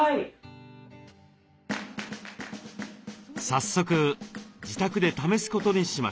早速自宅で試すことにしました。